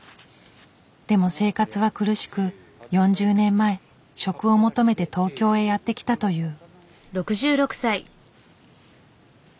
でも生活は苦しく４０年前職を求めて東京へやって来たという。